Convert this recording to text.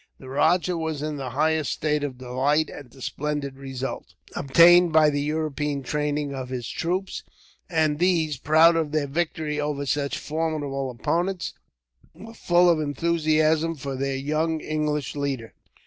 The rajah was in the highest state of delight at the splendid result, obtained by the European training of his troops; and these, proud of their victory over such formidable opponents, were full of enthusiasm for their young English leader.